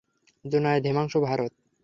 Junaid, Himanshu, Bharat.